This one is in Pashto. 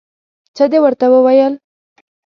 څه دې ورته وویل؟